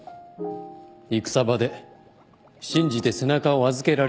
戦場で信じて背中を預けられる。